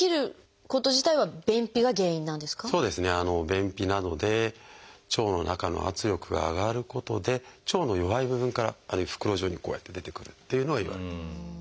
便秘などで腸の中の圧力が上がることで腸の弱い部分から袋状にこうやって出てくるっていうのはいわれています。